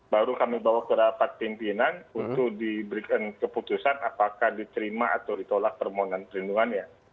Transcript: baru kami bawa ke rapat pimpinan untuk diberikan keputusan apakah diterima atau ditolak permohonan perlindungannya